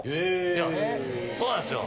いやそうなんですよ。